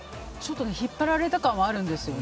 引っ張られた感はあるんですよね。